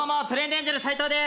エンジェル斎藤です！